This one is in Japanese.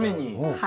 はい。